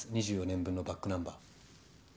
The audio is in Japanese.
２４年分のバックナンバー。